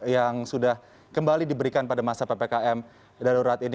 yang sudah kembali diberikan pada masa ppkm darurat ini